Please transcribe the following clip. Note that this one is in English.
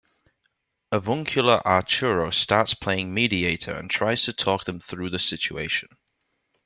Avuncular Arturo starts playing mediator and tries to talk them through the situation.